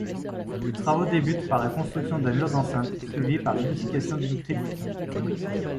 Les travaux débutent par la construction d'un mur d'enceinte, suivis par l'édification d'une crypte.